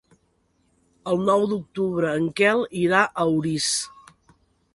El nou d'octubre en Quel irà a Orís.